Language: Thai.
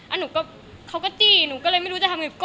อ่ะหนูก็เขาก็จี้หนูก็เลยไม่รู้จะทำอะไร